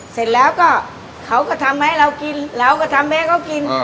เสร็จแล้วก็เขาก็ทำให้เรากินเราก็ทำให้เขากิน